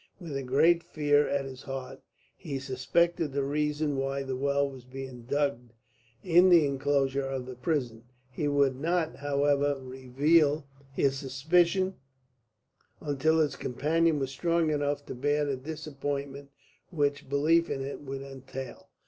With a great fear at his heart he suspected the reason why the well was being dug in the enclosure of the prison. He would not, however, reveal his suspicion until his companion was strong enough to bear the disappointment which belief in it would entail.